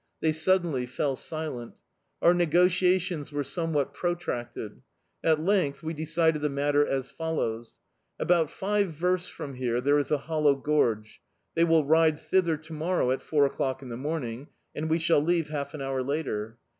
They suddenly fell silent. Our negotiations were somewhat protracted. At length we decided the matter as follows: about five versts from here there is a hollow gorge; they will ride thither tomorrow at four o'clock in the morning, and we shall leave half an hour later.